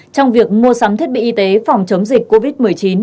trong việc mua sắm thiết bị y tế phòng chống dịch covid một mươi chín